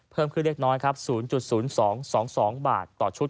เพิ่มขึ้นเล็กน้อยครับ๐๐๒๒บาทต่อชุด